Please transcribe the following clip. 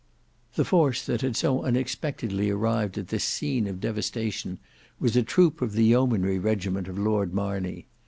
The force that had so unexpectedly arrived at this scene of devastation was a troop of the yeomanry regiment of Lord Marney.